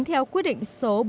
theo quy định số